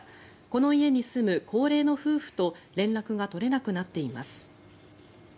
この家に住む高齢の夫婦と連絡が取れなくなっています。